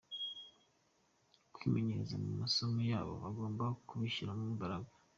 kwimenyereza mu masomo yabo bagomba kubishyiramo imbaraga.